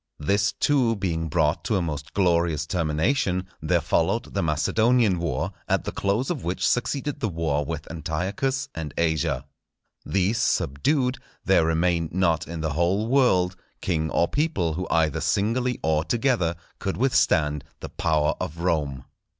This too being brought to a most glorious termination, there followed the Macedonian war, at the close of which succeeded the war with Antiochus and Asia. These subdued, there remained not in the whole world, king or people who either singly or together could withstand the power of Rome.